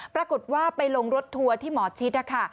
ปรากฏว่าไปลงรถทัวร์ที่หมอชิดนะคะ